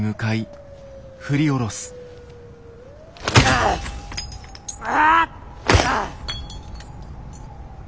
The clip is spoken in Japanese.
ああ！